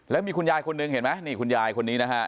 แล้วมีคุณยายคนหนึ่งเห็นไหมนี่คุณยายคนนี้นะฮะ